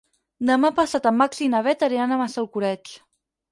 Demà passat en Max i na Bet aniran a Massalcoreig.